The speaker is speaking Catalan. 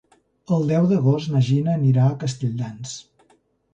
El deu d'agost na Gina anirà a Castelldans.